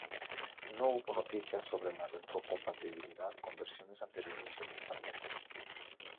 No hubo noticias sobre la retrocompatibilidad con versiones anteriores de las Tabletas.